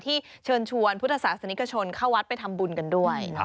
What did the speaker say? เชิญชวนพุทธศาสนิกชนเข้าวัดไปทำบุญกันด้วย